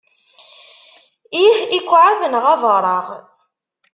Ih, ikɛeb neɣ abaṛeɣ.